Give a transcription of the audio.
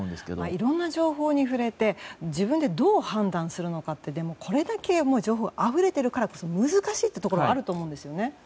いろんな情報に触れて自分でどう判断するのかってでも、これだけ情報があふれているからこそ難しいところもあると思うんですね。